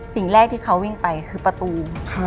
สิ่งแรกที่เขาวิ่งไปคือประตู